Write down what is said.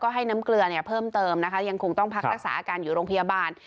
ให้น้ำเกลือเพิ่มเติมนะคะยังคงต้องพักรักษาอาการอยู่โรงพยาบาล